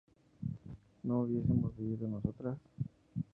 ¿no hubiésemos vivido nosotras?